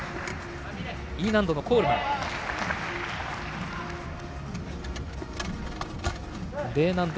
Ｅ難度のコールマン。